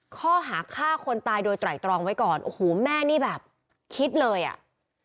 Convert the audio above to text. ข้อหาฆ่าคนตายโดยไตรตรองไว้ก่อนโอ้โหแม่นี่แบบคิดเลยอ่ะ